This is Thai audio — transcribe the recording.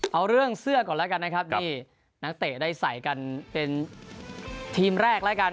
เอาเรื่องเสื้อก่อนแล้วกันนะครับที่นักเตะได้ใส่กันเป็นทีมแรกแล้วกัน